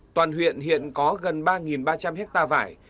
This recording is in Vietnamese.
toàn huyện hiện có gần ba ba trăm linh hectare vải